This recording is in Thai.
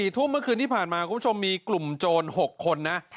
ทุ่มเมื่อคืนที่ผ่านมาคุณผู้ชมมีกลุ่มโจร๖คนนะ